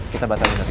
kita batalkan tadi